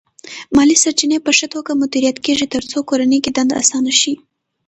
مالی سرچینې په ښه توګه مدیریت کېږي ترڅو کورنۍ کې دنده اسانه شي.